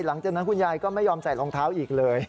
หลังจากนั้นคุณยายก็ไม่ยอมใส่รองเท้าอีกเลย